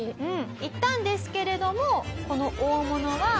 言ったんですけれどもこの大物は。